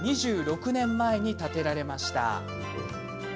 ２６年前に建てられました。